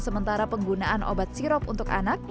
sementara penggunaan obat sirop untuk anak